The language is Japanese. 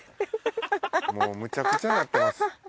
もうむちゃくちゃなってます。